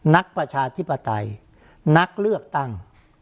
ประชาธิปไตยนักเลือกตั้ง